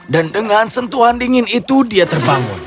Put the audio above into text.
dan dengan sentuhan dingin itu dia terbangun